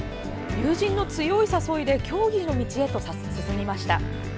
友人の強い誘いで競技の道へ進みました。